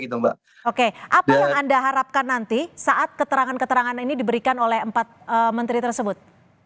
oke apa yang anda harapkan nanti saat keterangan keterangan ini diberikan oleh empat menteri tersebut